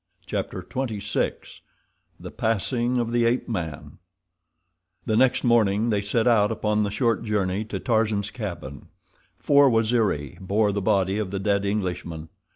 Chapter XXVI The Passing of the Ape Man The next morning they set out upon the short journey to Tarzan's cabin. Four Waziri bore the body of the dead Englishman.